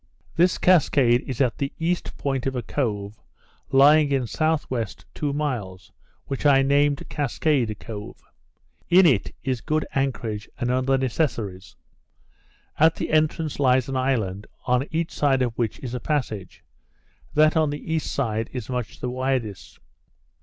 This cascade is at the east point of a cove, lying in S.W. two miles, which I named Cascade Cove. In it is good anchorage and other necessaries. At the entrance, lies an island, on each side of which is a passage; that on the east side is much the widest.